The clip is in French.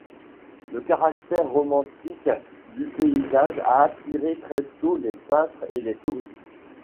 Le caractère romantique du paysage a attiré très tôt les peintres et les touristes.